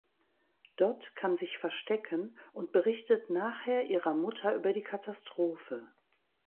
Dot kann sich verstecken und berichtet nachher ihrer Mutter über die Katastrophe.